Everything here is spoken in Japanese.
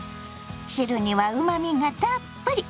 汁にはうまみがたっぷり。